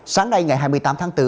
sáng nay ngày hai mươi tám tháng bốn